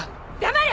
黙れ！